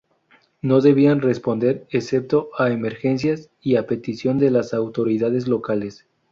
No debían responder excepto a emergencias y a petición de las autoridades locales.